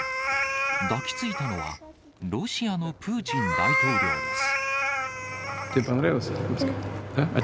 抱きついたのは、ロシアのプーチン大統領です。